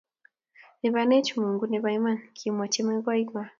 Lipanech Mungu nebo iman kimwa chemogengwai